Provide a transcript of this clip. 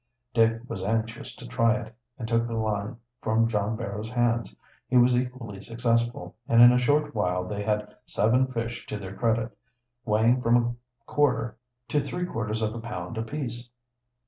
Dick was anxious to try it, and took the line from John Barrow's hands. He was equally successful, and in a short while they had seven fish to their credit, weighing from a quarter to three quarters of a pound apiece.